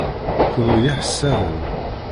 Kenwi d iḥessaden.